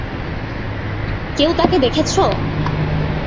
কেউ তাকে দেখেছো?